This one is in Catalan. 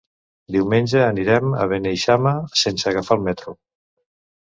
Diumenge anirem a Beneixama sense agafar el metro.